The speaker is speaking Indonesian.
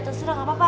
terserah gak apa apa